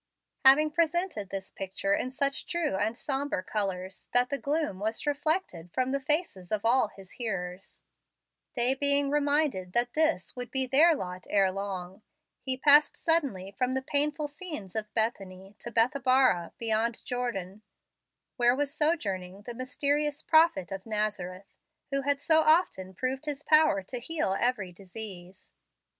Having presented this picture in such true and sombre colors that the gloom was reflected from the faces of all his hearers, they being reminded that this would be their lot ere long, he passed suddenly from the painful scenes of Bethany to Bethabara, beyond Jordan, where was sojourning the mysterious Prophet of Nazareth, who had so often proved His power to heal every disease.